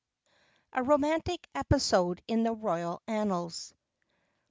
A ROMANTIC EPISODE IN THE ROYAL ANNALS.